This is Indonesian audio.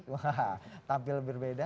wah tampil lebih beda